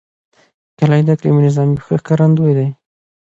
کلي د اقلیمي نظام یو ښه ښکارندوی دی.